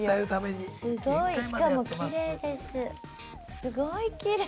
すごいきれい。